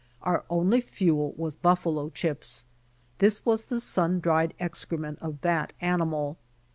Our only fuel was buffalo chips. This was the sun dried excrement of that animal.